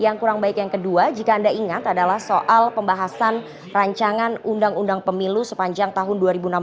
yang kurang baik yang kedua jika anda ingat adalah soal pembahasan rancangan undang undang pemilu sepanjang tahun dua ribu enam belas